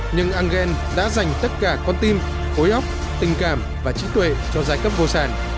nhưng engel đã dành tất cả con tim khối óc tình cảm và trí tuệ cho giai cấp vô sản